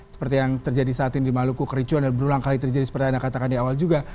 seperti yang terjadi saat ini di maluku kericuan dan berulang kali terjadi seperti yang anda katakan di awal juga